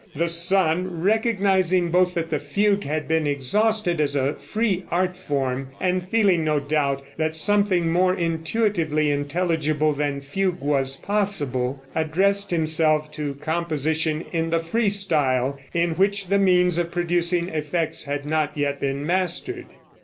The son recognizing both that the fugue had been exhausted as a free art form, and feeling no doubt that something more intuitively intelligible than fugue was possible, addressed himself to composition in the free style, in which the means of producing effects had not yet been mastered.